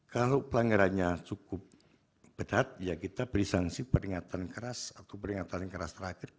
kalau pelanggarannya cukup berat ya kita beri sanksi peringatan keras atau peringatan keras terakhir